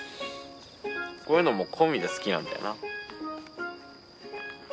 こういうのも込みで好きなんだよな。